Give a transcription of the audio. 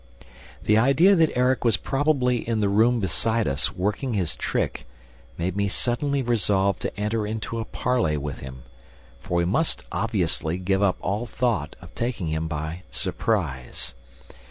The idea that Erik was probably in the room beside us, working his trick, made me suddenly resolve to enter into a parley with him, for we must obviously give up all thought of taking him by surprise.